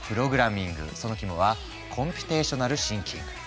その肝はコンピュテーショナル・シンキング。